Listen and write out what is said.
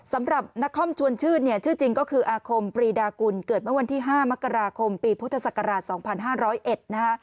สำหรับนักคอมชวนชื่นชื่อจริงก็คืออาคมปรีดากุลเกิดเมื่อวันที่๕มกราคมปีพฤศกราช๒๕๐๑